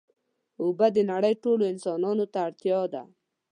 اوبه د نړۍ ټولو انسانانو ته اړتیا دي.